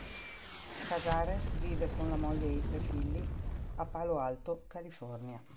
Casares vive con la moglie e i tre figli a Palo Alto, California.